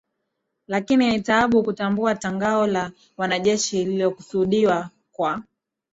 Lakini ni taabu kutambua tangao la wanajeshi lilikusudiwa kwa